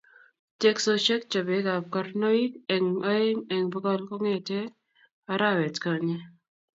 tesoksei chobekab karnoik eng oeng fng bokol kong'ete arawetkonye